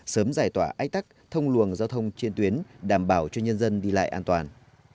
sớm giải tỏa ách tắc thông luồng giao thông trên tuyến đảm bảo cho nhân dân đi lại an toàn